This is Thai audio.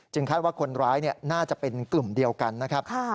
คาดว่าคนร้ายน่าจะเป็นกลุ่มเดียวกันนะครับ